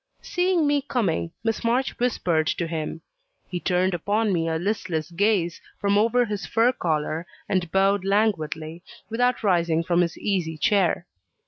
Seeing me coming, Miss March whispered to him; he turned upon me a listless gaze from over his fur collar, and bowed languidly, without rising from his easy chair.